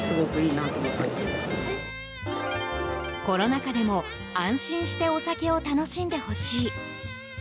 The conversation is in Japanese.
コロナ禍でも安心してお酒を楽しんでほしい。